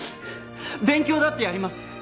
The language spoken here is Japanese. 勉強だってやります！